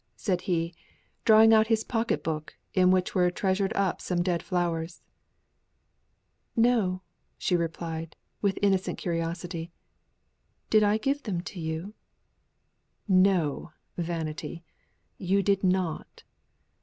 he said, drawing out his pocket book, in which were treasured up some dead flowers. "No!" she replied, with innocent curiosity. "Did I give them to you?" "No! Vanity; you did not.